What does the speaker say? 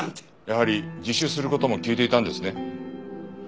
やはり自首する事も聞いていたんですね？